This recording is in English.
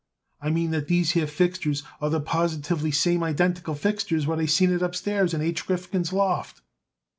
I mean that these here fixtures are the positively same identical fixtures what I seen it upstairs in H. Rifkin's loft."